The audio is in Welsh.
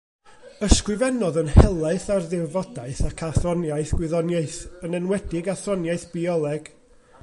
Ysgrifennodd yn helaeth ar ddirfodaeth ac athroniaeth gwyddoniaeth, yn enwedig athroniaeth bioleg.